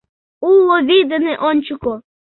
— Уло вий дене ончыко!